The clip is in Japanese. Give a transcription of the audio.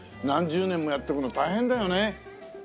何十年もやっていくの大変だよね。